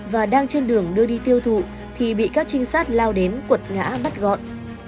và đang trên đường đưa đi tiêu thụ thì bị các trinh sát lao đến quật ngã bắt gọn